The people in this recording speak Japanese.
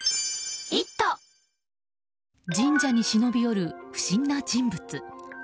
神社に忍び寄る不審な人物。